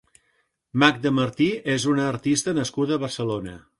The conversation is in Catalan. Magda Martí és una artista nascuda a Barcelona.